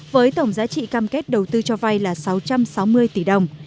với tổng giá trị cam kết đầu tư cho vay là sáu trăm sáu mươi tỷ đồng